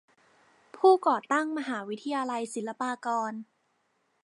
ผู้ก่อตั้งมหาวิทยาลัยศิลปากร